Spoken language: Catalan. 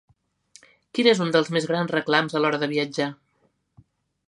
Quin és un dels més grans reclams a l'hora de viatjar?